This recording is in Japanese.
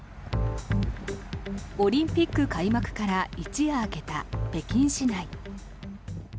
オリンピック開幕から一夜明けた北京市内。